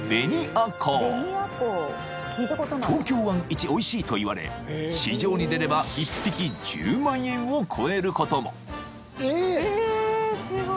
［東京湾一おいしいといわれ市場に出れば１匹１０万円を超えることも］